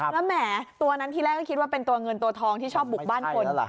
แล้วแหมตัวนั้นที่แรกก็คิดว่าเป็นตัวเงินตัวทองที่ชอบบุกบ้านคน